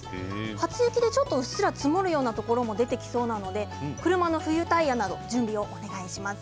初雪でちょっとうっすらと積もるようなところも出てきそうなので車の冬タイヤなど準備をお願いします。